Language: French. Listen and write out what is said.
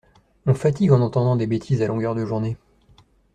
On fatigue en entendant des bêtises à longueur de journée.